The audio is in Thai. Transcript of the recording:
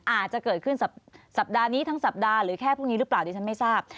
อาจจะเกิดขึ้นสัปดาห์นี้ทั้งสัปดาห์หรือแค่พรุ่งนี้หรือเปล่าดิฉันไม่ทราบ